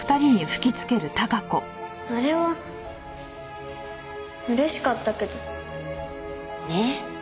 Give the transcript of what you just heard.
あれは嬉しかったけど。ね？